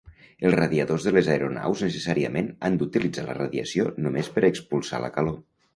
Els radiadors de les aeronaus necessàriament han d'utilitzar la radiació només per expulsar la calor.